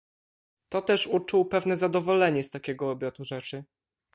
"To też uczuł pewne zadowolenie z takiego obrotu rzeczy."